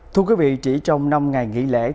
thưa quý vị chỉ trong năm ngày nghỉ lễ